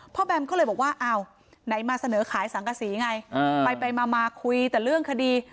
แบมก็เลยบอกว่าอ้าวไหนมาเสนอขายสังกษีไงไปมาคุยแต่เรื่องคดี